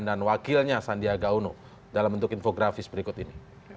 dan wakilnya sandiaga uno dalam bentuk infografis berikut ini